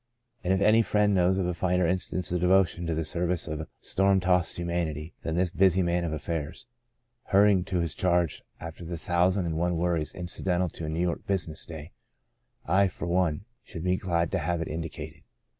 And if any friend knows of a finer instance of devotion to the service of storm tossed humanity than this busy man of affairs, hurrying to his charge after the thousand and one worries incidental to a New York business day, I, for one, should be glad to have it indicated.